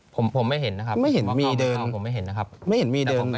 ผมผมไม่เห็นนะครับไม่เห็นมีเดินผมไม่เห็นนะครับไม่เห็นมีเดิน